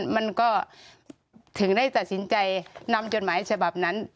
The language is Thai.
มันก็ถึงได้ตัดสินใจนำจดหมายฉบับนั้น